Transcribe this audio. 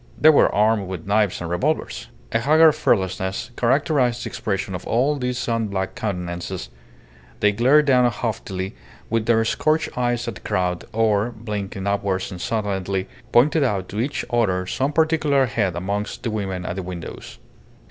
They were armed with knives and revolvers. A haggard fearlessness characterized the expression of all these sun blacked countenances; they glared down haughtily with their scorched eyes at the crowd, or, blinking upwards insolently, pointed out to each other some particular head amongst the women at the windows.